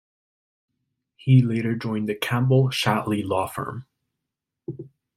He later joined the Campbell Shatley law firm.